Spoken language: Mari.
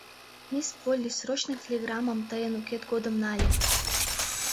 Мисс Полли срочный телеграммым тыйын укет годым нале.